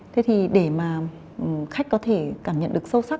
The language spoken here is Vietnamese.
thế thì để mà khách có thể cảm nhận được sâu sắc